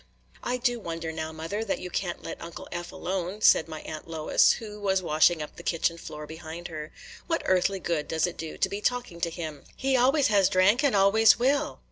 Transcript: "I do wonder now, mother, that you can't let Uncle Eph alone," said my Aunt Lois, who was washing up the kitchen floor behind her. "What earthly good does it do to be talking to him? He always has drank, and always will."